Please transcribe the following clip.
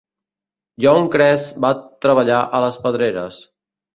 Young Kress va treballar a les pedreres.